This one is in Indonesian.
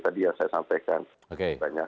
tadi saya sampaikan banyak